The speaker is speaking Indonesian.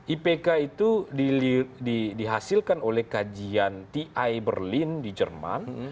ipk itu dihasilkan oleh kajian ti berlin di jerman